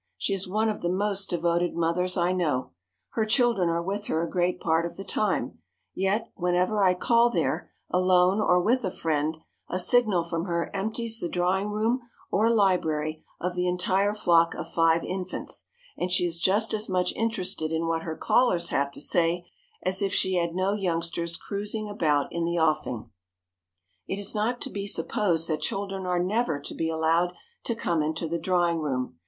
She is one of the most devoted mothers I know. Her children are with her a great part of the time. Yet, whenever I call there, alone or with a friend, a signal from her empties the drawing room or library of the entire flock of five infants, and she is just as much interested in what her callers have to say as if she had no youngsters cruising about in the offing." [Sidenote: TRAINING THE SHY CHILD] It is not to be supposed that children are never to be allowed to come into the drawing room.